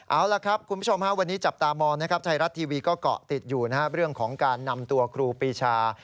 เอาล่ะคุณผู้ชมวันนี้จับตามอร์ชายรัตน์ทีวีก็เกาะติดอยู่เรื่องของการนำตัวครูปีชา